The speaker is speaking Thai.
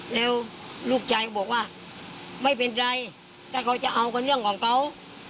แล้วลูกชายก็บอกว่าไม่เป็นไรถ้าเขาจะเอาก็เรื่องของเขา